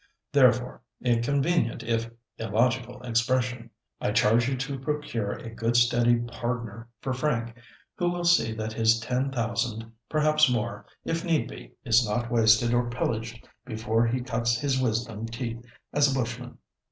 "Therefore—a convenient, if illogical expression—I charge you to procure a good steady 'pardner' for Frank, who will see that his ten thousand, perhaps more, if need be, is not wasted or pillaged before he cuts his wisdom teeth as a bushman.